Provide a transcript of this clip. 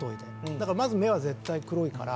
だからまず目は絶対黒いから。